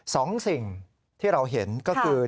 สองสิ่งที่เราเห็นก็คือ